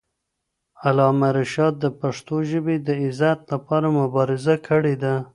علامه رشاد د پښتو ژبې د عزت لپاره مبارزه کړې ده.